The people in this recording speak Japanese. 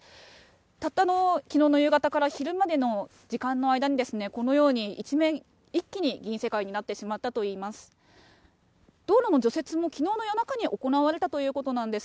たったのきのうの夕方から昼までの時間の間に、このように一面、一気に銀世界になってしまったといいます。